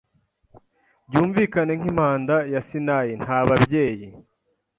Byumvikane nkimpanda ya Sinayi Nta babyeyi